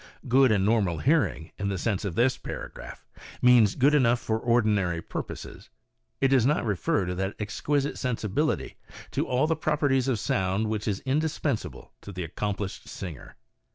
Good and normal hearing, in the sense of this para graph, means good enough for ordinary purposes. It does not refer to that exquisite sensibility to all the properties of sound which is indispensable to the accomplished singer.